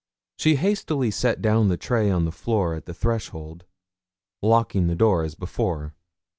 She hastily set down the tray on the floor at the threshold, locking the door as before.